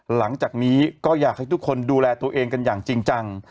หลังจากนี้ก็อยากให้ทุกคนดูแลตัวเองกันอย่างจริงจัง